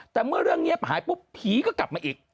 แต่เมื่อเรื่องเงียบหายปุ๊บผีก็กลับมาอีก